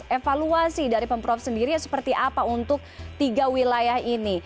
evaluasi dari pemprov sendiri seperti apa untuk tiga wilayah ini